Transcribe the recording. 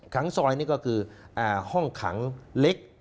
ซอยนี่ก็คือห้องขังเล็ก